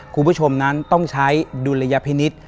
คุณผู้ชมนั้นต้องใช้ดุลยพินิษฐ์